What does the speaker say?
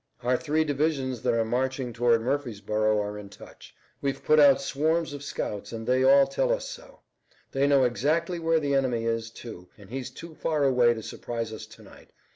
Our three divisions that are marching toward Murfreesborough are in touch. We've put out swarms of scouts and they all tell us so. They know exactly where the enemy is, too, and he's too far away to surprise us to night.